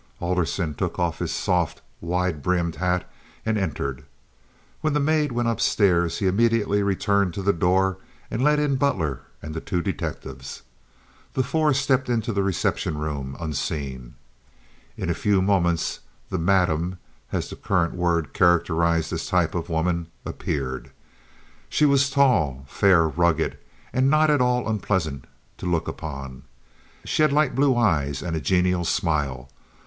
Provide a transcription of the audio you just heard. Alderson took off his soft, wide brimmed hat and entered. When the maid went up stairs he immediately returned to the door and let in Butler and two detectives. The four stepped into the reception room unseen. In a few moments the "madam" as the current word characterized this type of woman, appeared. She was tall, fair, rugged, and not at all unpleasant to look upon. She had light blue eyes and a genial smile.